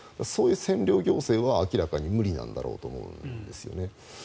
そういう占領行政は明らかに無理なんだろうと思うんですよね。